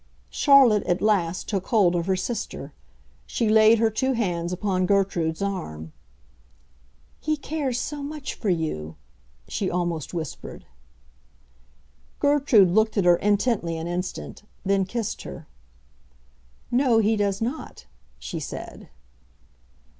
Charlotte at last took hold of her sister. She laid her two hands upon Gertrude's arm. "He cares so much for you," she almost whispered. Gertrude looked at her intently an instant; then kissed her. "No, he does not," she said.